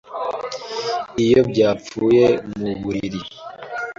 iyo byapfuye mu buriri